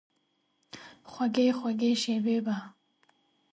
خوږې، خوږې شیبې به،